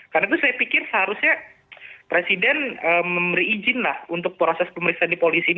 karena itu saya pikir seharusnya presiden memberi izin lah untuk proses pemeriksaan di polisi ini